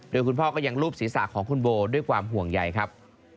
โดยคุณพ่อก็ยังรูปศีรษะของคุณโบด้วยความห่วงใหญ่ครับ